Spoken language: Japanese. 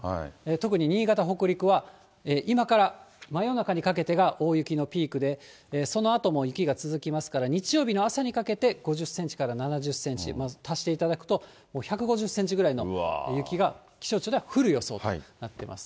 特に新潟、北陸は、今から真夜中にかけてが大雪のピークで、そのあとも雪が続きますから、日曜日の朝にかけて５０センチから７０センチ、足していただくと、もう１５０センチぐらいの雪が、気象庁では降る予想となっています。